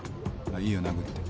いいよ殴って。